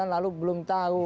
lalu belum tahu